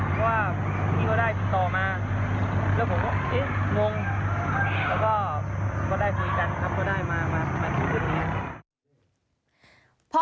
ก็ได้มาสร้างคลิปนี้